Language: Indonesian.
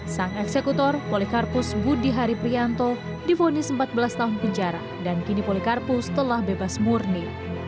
sang eksekutor polikarpus budi hari prianto difonis empat belas tahun penjara dan kini polikarpus telah bebas murni